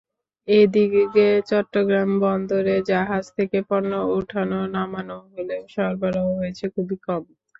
এদিকে চট্টগ্রাম বন্দরে জাহাজ থেকে পণ্য ওঠানো-নামানো হলেও সরবরাহ হয়েছে খুবই কম।